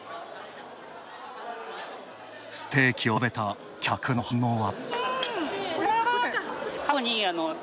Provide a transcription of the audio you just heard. ステーキを食べた客の反応は。